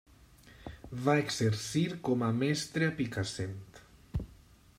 Va exercir com a mestre a Picassent.